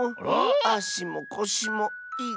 あしもこしもいたいし。